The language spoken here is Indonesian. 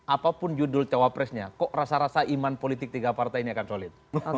apapun judul cawapresnya kok rasa rasa iman politik tiga partai ini akan solid